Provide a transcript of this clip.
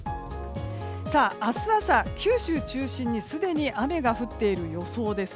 明日朝、九州中心にすでに雨が降っている予想です。